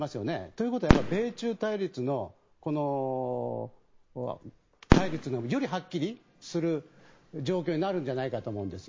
ということは米中対立のよりはっきりする状況になるんじゃないかと思うんです。